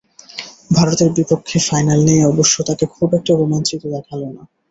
ভারতের বিপক্ষে ফাইনাল নিয়ে অবশ্য তাঁকে খুব একটা রোমাঞ্চিত দেখাল না।